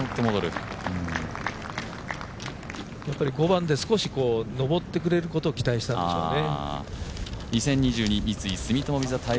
５番で少し上ってくれることを期待したんでしょうね。